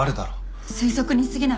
推測にすぎない。